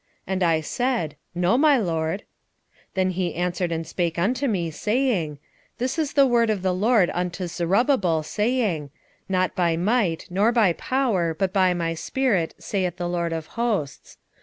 And I said, No, my lord. 4:6 Then he answered and spake unto me, saying, This is the word of the LORD unto Zerubbabel, saying, Not by might, nor by power, but by my spirit, saith the LORD of hosts.